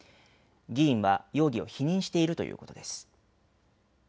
議員は容疑を否認しているということです。